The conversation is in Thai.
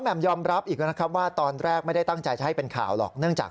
พะแหม่มยอมรับอีกนะครับว่าตอนแรกไม่ได้ตั้งใจให้เป็นข่าวหรอก